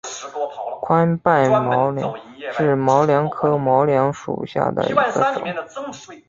宽瓣毛茛为毛茛科毛茛属下的一个种。